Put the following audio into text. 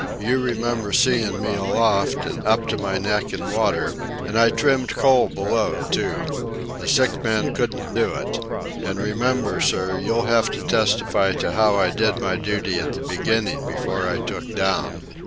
You remember seein' me aloft, an' up to my neck in water. And I trimmed coal below, too. A sick man couldn't do it. And remember, sir, you'll have to testify to how I did my duty at the beginning before I took down."